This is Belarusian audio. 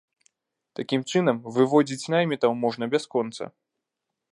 Такім чынам, выводзіць наймітаў можна бясконца.